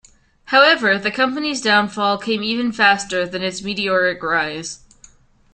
However, the company's downfall came even faster than its meteoric rise.